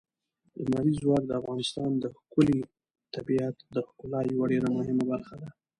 لمریز ځواک د افغانستان د ښکلي طبیعت د ښکلا یوه ډېره مهمه برخه ده.